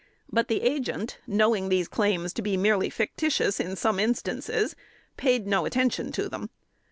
But the Agent, knowing these claims to be merely fictitious in some instances, paid no attention to them.